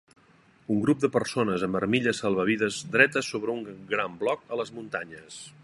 Un grup de persones amb armilles salvavides dretes sobre un gran bloc a les muntanyes.